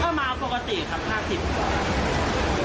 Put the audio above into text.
เรามาปกติครับ๕๐